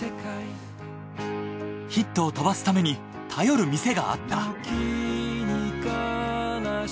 ヒットを飛ばすために頼る店があった。